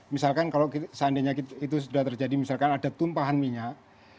misalkan kalau seandainya itu sudah terjadi misalkan ada tumpahan minyak